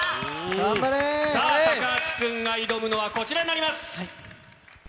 頑張れ！さあ、高橋君が挑むのはこちらになります。